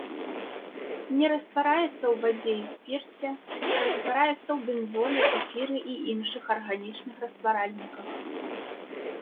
Не раствараецца ў вадзе і спірце, раствараецца ў бензоле, эфіры і іншых арганічных растваральніках.